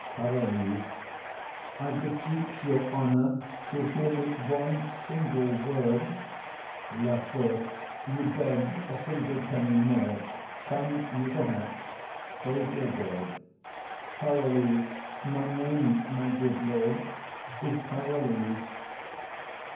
PAROLLES. I beseech your honour to hear me one single word. LAFEW. You beg a single penny more. Come, you shall ha't; save your word. PAROLLES. My name, my good lord, is Parolles.